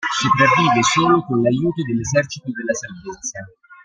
Sopravvive solo con l'aiuto dell'Esercito della Salvezza.